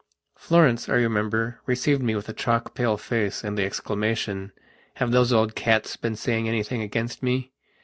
Florence, I remember, received me with a chalk pale face and the exclamation: "Have those old cats been saying anything against me?"